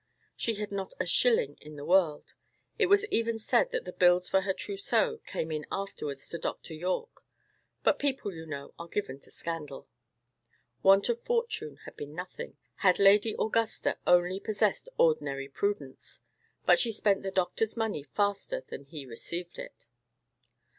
She had not a shilling in the world; it was even said that the bills for her trousseau came in afterwards to Dr. Yorke: but people, you know, are given to scandal. Want of fortune had been nothing, had Lady Augusta only possessed ordinary prudence; but she spent the doctor's money faster than he received it.